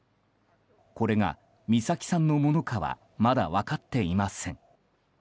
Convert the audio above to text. これが、美咲さんのものかはまだ分かっていません。